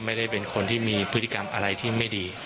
ไม่ได้เป็นคนที่มีพฤติกรรมอะไรที่ไม่ดี